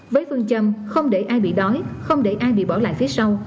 với phương châm không để ai bị đói không để ai bị bỏ lại phía sau